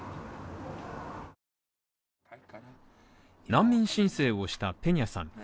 難民申請をしたペニャさん。